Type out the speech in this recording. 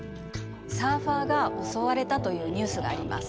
サーファーが襲われたというニュースがあります。